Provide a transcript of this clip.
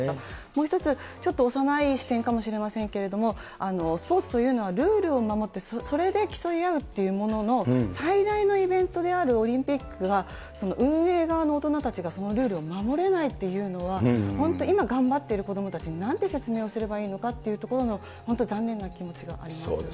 もう一つはちょっと幼い視点かもしれませんけれども、スポーツというのは、ルールを守ってそれで競い合うっていうものの最大のイベントであるオリンピックが、運営側の大人たちが、そのルールを守れないっていうのは、本当、今頑張ってる子どもたちになんて説明をすればいいのかっていうところの、本当に残念な気持ちがあります。